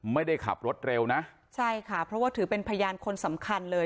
ไม่ได้ขับรถเร็วนะใช่ค่ะเพราะว่าถือเป็นพยานคนสำคัญเลย